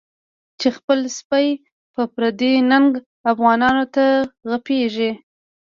چی خپل سپی په پردی ننگه، افغانانوته غپیږی